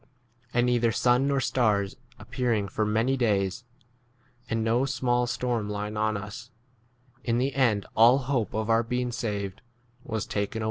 And neither sun nor stars appearing for many days, and no small storm lying on us, in the end allhope of our being 21 saved was taken away.